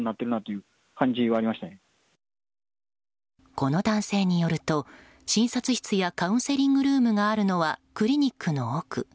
この男性によると、診察室やカウンセリングルームがあるのはクリニックの奥。